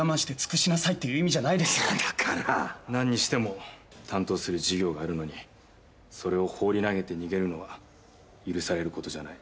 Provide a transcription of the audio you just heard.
何にしても担当する授業があるのにそれを放り投げて逃げるのは許されることじゃない。